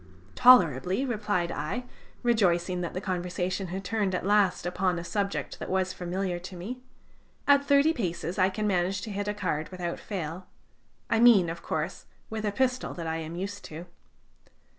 "Tolerably," replied I, rejoicing that the conversation had turned at last upon a subject that was familiar to me. "At thirty paces I can manage to hit a card without fail, I mean, of course, with a pistol that I am used to."